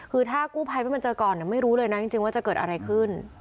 คือถ้ากู้ภัยไม่มาเจอก่อนไม่รู้เลยนะจริงว่าจะเกิดอะไรขึ้น